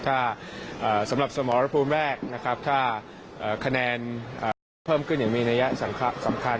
ถ้าสำหรับสมรภูมิแรกนะครับถ้าคะแนนเพิ่มขึ้นอย่างมีนัยสำคัญ